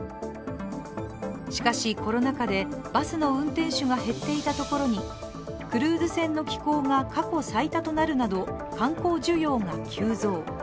しかし、コロナ禍でバスの運転手が減っていたところにクルーズ船の寄港が過去最多となるなど観光需要が急増。